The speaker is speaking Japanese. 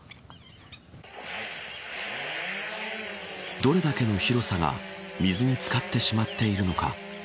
どれだけの広さが水に漬かってしまっているのか